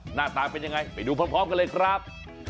หน้าตาเป็นยังไงไปดูพร้อมกันเลยครับ